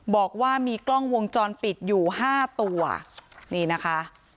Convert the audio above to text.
บอกว่ามีกล้องวงจรปิดอยู่ห้าตัวนี่นะคะ